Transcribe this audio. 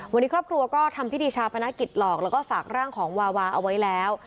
วันนี้ครอบครัวก็ทำพิธีชาปนกิจหลอกแล้วก็ฝากร่างของวาวาเอาไว้แล้ว